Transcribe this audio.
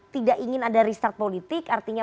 tidak ingin ada restart politik artinya